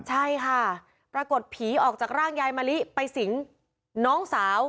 ใช่ค่ะปรากฏผีออกจากร่างยายมะลิไปสิงน้องสาว